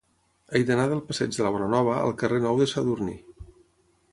He d'anar del passeig de la Bonanova al carrer Nou de Sadurní.